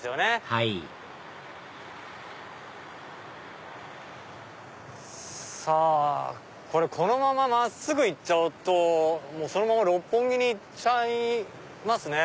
はいさぁこれこのまま真っすぐ行っちゃうとそのまま六本木に行っちゃいますね。